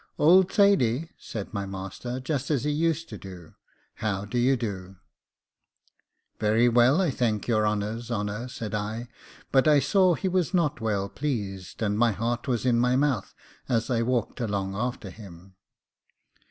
'Old Thady,' said my master, just as he used to do, 'how do you do?' 'Very well, I thank your honour's honour,' said I; but I saw he was not well pleased, and my heart was in my mouth as I walked along after him.